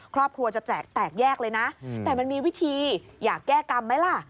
ครอบครัวจะแตกแตกแยกเลยนะแต่มันมีวิธีอยากแก้กรรมไหมล่ะ